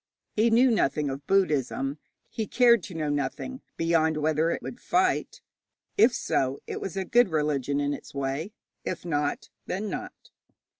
He knew nothing of Buddhism; he cared to know nothing, beyond whether it would fight. If so, it was a good religion in its way. If not, then not.